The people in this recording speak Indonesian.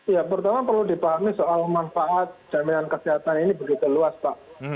ya pertama perlu dipahami soal manfaat jaminan kesehatan ini begitu luas pak